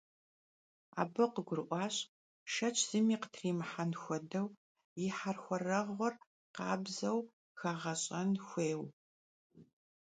Abı khıgurı'uaş, şşeç zımi khıtrimıhen xuedeu yi herxuereğur khabzeu zerıxiğeş'en xuêyr.